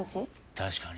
確かに。